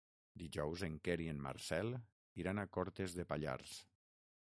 Dijous en Quer i en Marcel iran a Cortes de Pallars.